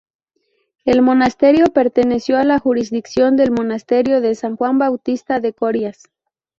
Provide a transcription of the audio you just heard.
El monasterio perteneció a la jurisdicción del Monasterio de San Juan Bautista de Corias.